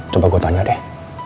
coba gue tanya deh